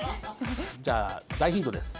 じゃあ大ヒントです。